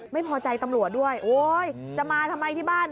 ไม่พอใจตำรวจด้วยโอ๊ยจะมาทำไมที่บ้าน